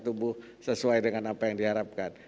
tumbuh sesuai dengan apa yang diharapkan